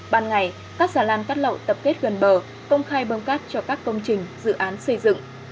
ban ngày các xà lan cát lậu tập kết gần bờ công khai bơm cát cho các công trình dự án xây dựng